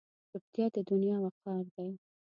چوپتیا، د دنیا وقار دی.